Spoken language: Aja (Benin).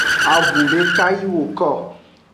Avun deka yi woko.